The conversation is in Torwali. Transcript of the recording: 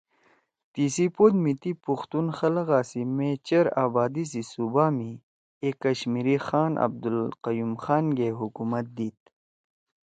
تِیسی پود می تی پختون خلگا سی مےچیر آبادی سی صوبہ می اے کشمیری خان عبدالقیوم خان گے حکومت دیِد